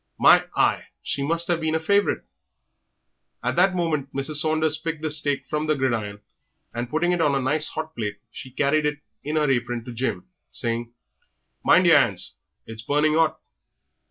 "My eye! she must have been a favourite." At that moment Mrs. Saunders picked the steak from the gridiron, and putting it on a nice hot plate she carried it in her apron to Jim, saying, "Mind yer 'ands, it is burning 'ot."